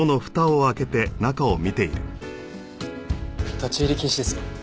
立ち入り禁止ですよ。